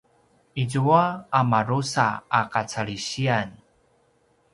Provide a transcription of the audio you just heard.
izua a madrusa a kacalisiyan